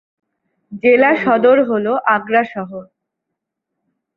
জেলা সদর হল আগ্রা শহর।